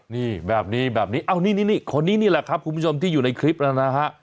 นี่แบบนี้แบบนี้เอานี่คนนี้นี่แหละครับคุณผู้ชมที่อยู่ในคลิปแล้วนะฮะ